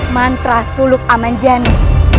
mantra suluk amanjani